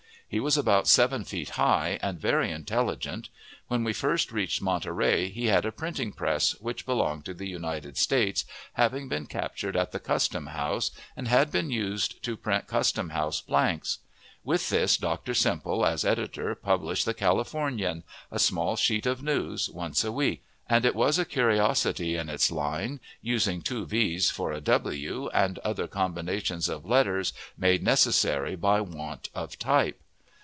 He was about seven feet high, and very intelligent. When we first reached Monterey, he had a printing press, which belonged to the United States, having been captured at the custom house, and had been used to print custom house blanks. With this Dr. Semple, as editor, published the Californian, a small sheet of news, once a week; and it was a curiosity in its line, using two v's for a w, and other combinations of letters, made necessary by want of type.